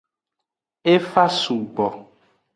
E fa sugbo.